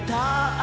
あ！